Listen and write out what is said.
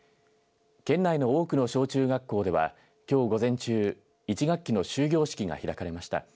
県内の多くの小中学校ではきょう午前中１学期の終業式が開かれました。